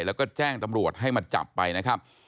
แล้วก็แจ้งตำรวจให้มาจับไปนะครับ